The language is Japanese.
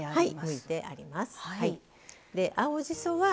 はい。